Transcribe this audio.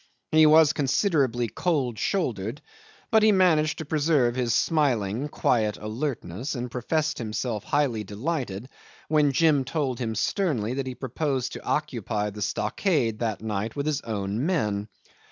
He was considerably cold shouldered, but managed to preserve his smiling, quiet alertness, and professed himself highly delighted when Jim told him sternly that he proposed to occupy the stockade on that night with his own men.